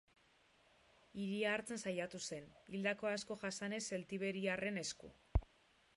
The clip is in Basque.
Hiria hartzen saiatu zen, hildako asko jasanez zeltiberiarren esku.